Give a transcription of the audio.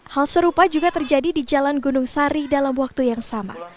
hal serupa juga terjadi di jalan gunung sari dalam waktu yang sama